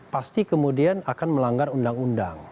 pasti kemudian akan melanggar undang undang